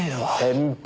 先輩。